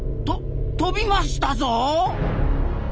とっ飛びましたぞ！